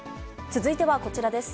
続いてはこちらです。